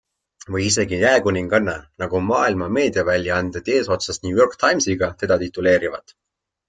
Või isegi jääkuninganna, nagu maailma meediaväljaanded eesotsas New York Timesiga teda tituleerivad.